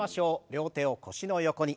両手を腰の横に。